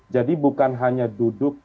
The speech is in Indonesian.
jadi bukan hanya duduk